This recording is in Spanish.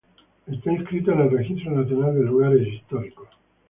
Está inscrita en el Registro Nacional de Lugares Históricos.